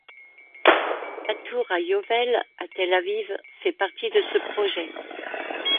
La Tour HaYovel à Tel Aviv fait partie de ce projet.